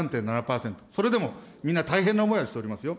それでもみんな大変な思いをしておりますよ。